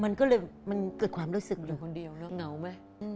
มันก็เลยมันเกิดความรู้สึกอยู่คนเดียวแล้วเหงาไหม